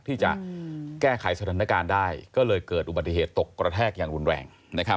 ที่จะแก้ไขสถานการณ์ได้ก็เลยเกิดอุบัติเหตุตกกระแทกอย่างรุนแรง